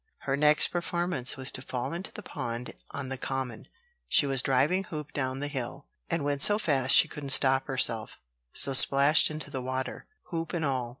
Her next performance was to fall into the pond on the Common. She was driving hoop down the hill, and went so fast she couldn't stop herself; so splashed into the water, hoop and all.